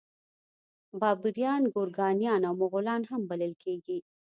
بابریان ګورکانیان او مغولان هم بلل کیږي.